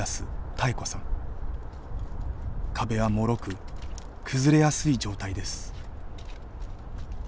壁はもろく崩れやすい状態です。